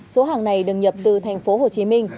số hàng này được nhập từ tp hcm